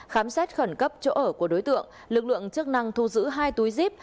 khám xét khẩn cấp chỗ ở của đối tượng lực lượng chức năng thu giữ hai túi zip